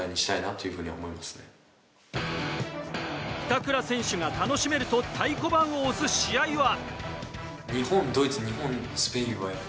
板倉選手が楽しめると太鼓判を押す試合は？